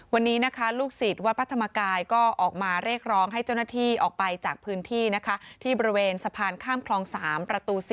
วันนี้นะคะลูกศิษย์วัดพระธรรมกายก็ออกมาเรียกร้องให้เจ้าหน้าที่ออกไปจากพื้นที่นะคะที่บริเวณสะพานข้ามคลอง๓ประตู๔